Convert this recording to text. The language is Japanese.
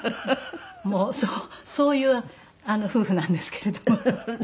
もうそういう夫婦なんですけれども。